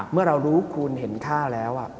เมื่อเรารู้คุณเห็นท่าแล้ว